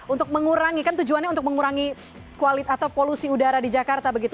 untuk mengurangi kan tujuannya untuk mengurangi kualitas atau polusi udara di jakarta begitu